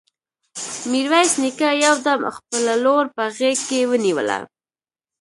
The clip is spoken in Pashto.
ميرويس نيکه يو دم خپله لور په غېږ کې ونيوله.